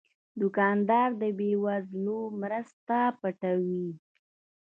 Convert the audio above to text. دوکاندار د بې وزلو مرسته پټوي.